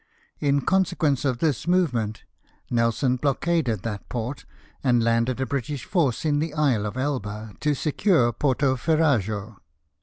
In consequence of this movement Nelson blockaded that port, and landed a British force in the isle of Elba to secure Porto Ferrajo.